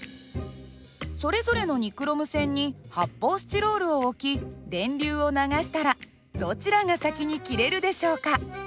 それぞれのニクロム線に発泡スチロールを置き電流を流したらどちらが先に切れるでしょうか？